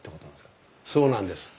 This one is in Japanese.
そうなんです。